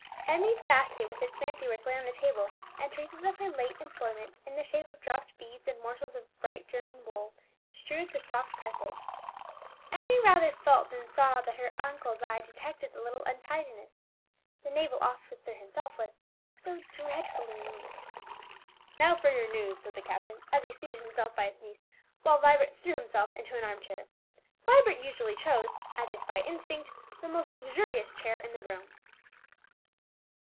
Emmie's basket with its fancy work lay on the table, and traces of her late employment in the shape of dropped beads and morsels of bright German wool strewed the soft carpet. Emmie rather felt than saw that her uncle's eye detected the little untidiness; the naval officer was himself "so dreadfully neat!" "Now for your news," said the captain, as he seated himself by his niece, while Vibert threw himself into an arm chair. Vibert usually chose, as if by instinct, the most luxurious chair in the room.